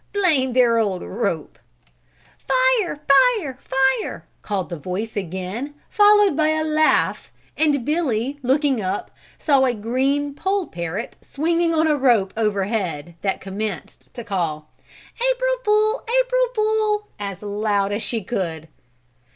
Blame their old rope!" "Fire, fire, fire!" called the voice again, followed by a laugh and Billy, looking up, saw a green poll parrot swinging on a rope overhead, that commenced to call: "April fool, April fool!" as loud as she could.